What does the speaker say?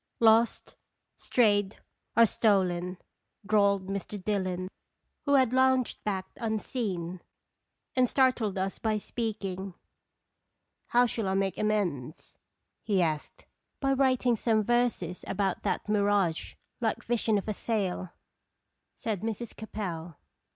"Lost, strayed, or stolen," drawled Mr. Dillon, who had lounged back unseen, and startled us by speaking. " How shall I make amends?" he asked. " By writing some verses about that mirage like vision of a sail," said Mrs. Capel.